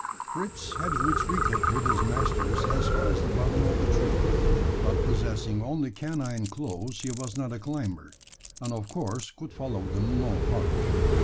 Fritz had retreated with his masters as far as the bottom of the tree; but possessing only canine claws, he was not a climber; and of course could follow them no further.